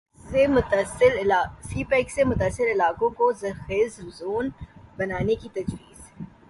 سی pack سے متصل علاقوں کو ذرخیز زون بنانے کی تجویز